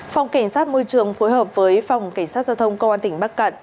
phòng cảnh sát môi trường phối hợp với phòng cảnh sát giao thông công an tỉnh bắc cạn